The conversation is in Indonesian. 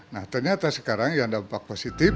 nah ternyata sekarang yang dampak positif